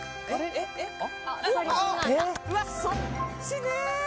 うわそっちね。